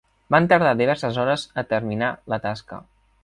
Van tardar diverses hores a terminar la tasca.